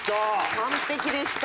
完璧でした。